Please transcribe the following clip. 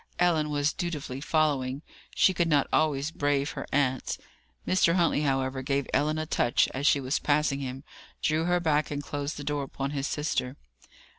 Ellen was dutifully following. She could not always brave her aunt. Mr. Huntley, however, gave Ellen a touch as she was passing him, drew her back, and closed the door upon his sister.